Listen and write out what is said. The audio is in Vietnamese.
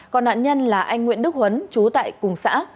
còn nạn nhân là anh nguyễn đức huấn trú tại cùng xã